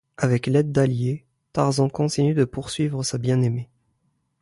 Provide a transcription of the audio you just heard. Avec l’aide d’alliés, Tarzan continue de poursuivre sa bien-aimée.